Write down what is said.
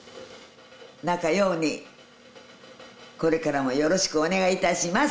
仲良うにこれからもよろしくお願いいたします